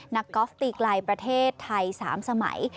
นักกอล์ฟตีกลายประเทศไทยสามสมัย